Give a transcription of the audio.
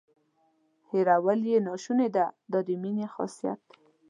هیرول یې ناشونې دي دا د مینې خاصیت دی.